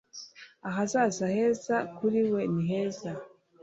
Ahazaza heza kuri we niheza.